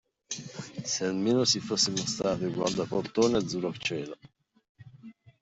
Se almeno si fosse mostrato il guardaportone azzurro cielo!